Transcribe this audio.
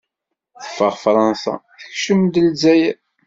Teffeɣ Fṛansa, tekcem-d Zzayer.